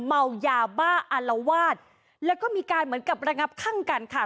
เมายาบ้าอารวาสแล้วก็มีการเหมือนกับระงับข้างกันค่ะ